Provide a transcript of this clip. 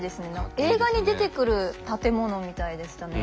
映画に出てくる建物みたいでしたね。